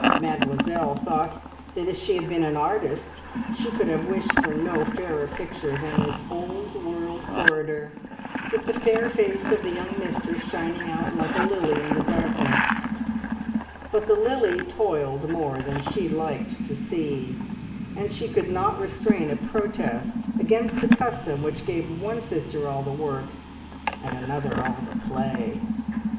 Mademoiselle thought that if she had been an artist she could have wished for no fairer picture than this old world corridor, with the fair face of the young mistress shining out like a lily in the darkness; but the lily toiled more than she liked to see, and she could not restrain a protest against the custom which gave one sister all the work, and another all the play.